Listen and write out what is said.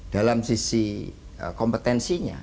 dalam sisi kompetensinya